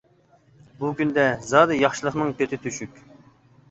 -بۇ كۈندە زادى «ياخشىلىقنىڭ كۆتى تۆشۈك» .